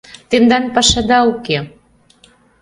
Тендан пашада уке!